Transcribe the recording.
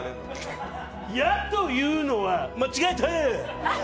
矢というのは、間違えた。